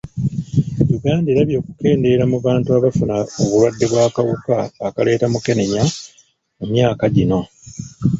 Uganda erabye okukendeera mu bantu abafuna obulwadde bw'akawuka akaleeta mukenenya mu myaka gino..